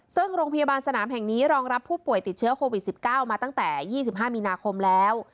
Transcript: ซึ่งโรงพยาบาลสนามแห่งนี้รองรับผู้ป่วยติดเชื้อโควิด๑๙มาตั้งแต่๒๕มีนาคมแล้ว